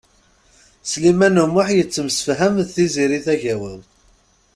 Sliman U Muḥ yettemsefham d Tiziri Tagawawt.